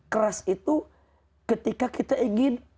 keras itu ketika kita ingin